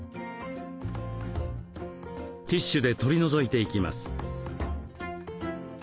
ティッシュで取り除いていきます。